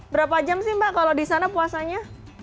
berapa jam sih mbak kalau di sana puasanya